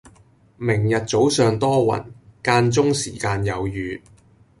明日早上多雲，間中時間有雨